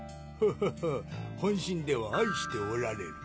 ホホホ本心では愛しておられる。